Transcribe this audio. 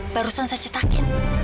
barusan saya cetakin